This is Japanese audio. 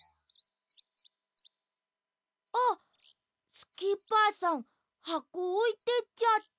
あっスキッパーさんはこおいていっちゃった。